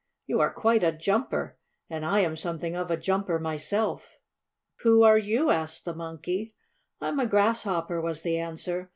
You are quite a jumper, and I am something of a jumper myself." "Who are you?" asked the Monkey. "I'm a Grasshopper," was the answer.